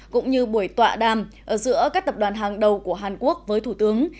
cũng như buổi tọa đàm giữa các tập đoàn hàng đầu của hàn quốc với thủ tướng